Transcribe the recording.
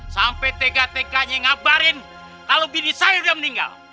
sampai tegak tegaknya ngabarin kalau bini saya udah meninggal